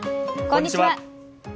こんにちは。